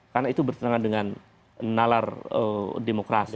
karena itu bertengah dengan nalar demokrasi